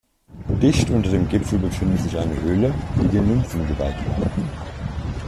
Dicht unter dem Gipfel befindet sich eine Höhle, die den Nymphen geweiht war.